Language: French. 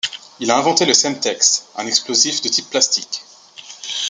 Il a inventé le Semtex, un explosif de type plastic.